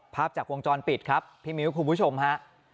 ภาพจากวงจรปิดครับพี่มิ้วคุณผู้ชมฮะ